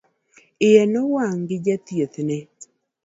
Iye nowang' gi jathiethne